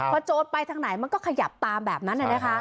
พอโจรไปทางไหนมันก็ขยับตามแบบนั้น